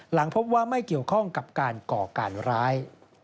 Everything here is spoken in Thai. หลังพบว่าไม่เกี่ยวข้องกับการก่อการร้าย